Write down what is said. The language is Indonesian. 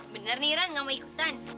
bener nih ra gak mau ikutan